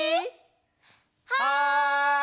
はい。